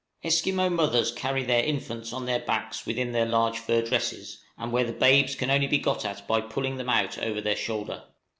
Esquimaux mothers carry their infants on their backs within their large fur dresses, and where the babes can only be got at by pulling them out over the shoulder.